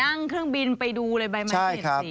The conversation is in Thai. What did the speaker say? นั่งเครื่องบินไปดูเลยใบไม้ผลิตสิ